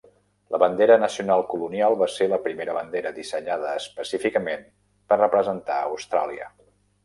La Bandera Nacional Colonial va ser la primera bandera dissenyada específicament per representar Austràlia.